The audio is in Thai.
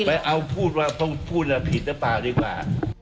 ไปเอาพูดว่าต้องพูดผิดหรือเปล่าดีกว่า